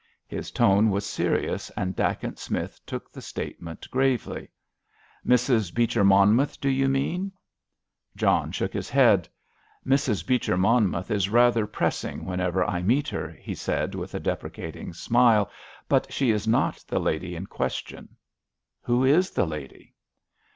His tone was serious, and Dacent Smith took the statement gravely. "Mrs. Beecher Monmouth, do you mean?" John shook his head. "Mrs. Beecher Monmouth is rather pressing whenever I meet her," he said, with a deprecating smile, "but she is not the lady in question." "Who is the lady?"